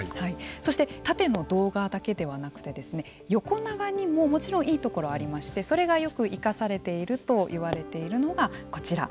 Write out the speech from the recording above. そして縦の動画だけではなくて横長にももちろんいいところはありましてそれがよく生かされているといわれているのがこちら。